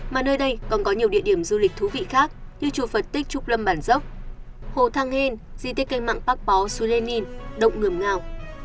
mà nơi đây còn có nhiều địa điểm du lịch thú vị khác như chùa phật tích trúc lâm bản dốc hồ thăng hên di tích cây mạng bắc bó xu lê ninh động ngườm ngào